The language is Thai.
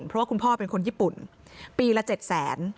เพราะว่าคุณพ่อเป็นคนญี่ปุ่นปีละ๗แสน